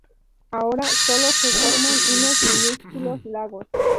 Ahora sólo se forman unos minúsculos lagos.